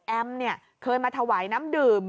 แอมเนี่ยเคยมาถวายน้ำดื่ม